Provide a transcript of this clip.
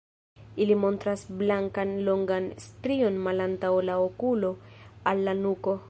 Ili montras blankan longan strion malantaŭ la okulo al la nuko.